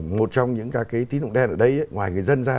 một trong những cái tín dụng đen ở đây ngoài người dân ra